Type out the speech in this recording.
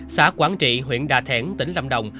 xã quảng trị huyện đà thẻn tỉnh lâm đồng